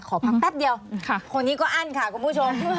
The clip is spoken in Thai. ขอพักแป๊บเดียวคนนี้ก็อั้นค่ะคุณผู้ชม